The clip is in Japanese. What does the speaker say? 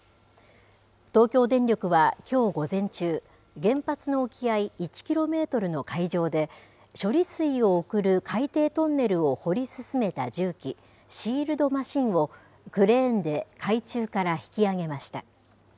東京電力はきょう午前中、原発の沖合１キロメートルの海上で、処理水を送る海底トンネルを掘り進めた重機、シールドマシンをクレーンで海中から引き揚げました。